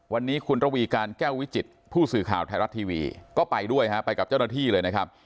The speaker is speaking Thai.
วันนี้คุณระวีการแก้ววิจิตผู้สื่อข่าวไทยรัฐทีวีก็ไปด้วยฮะไปกับเจ้าหน้าที่เลยนะครับ